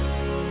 sang yang widi